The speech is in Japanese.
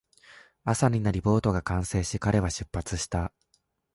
朝になり、ボートが完成し、彼は出発した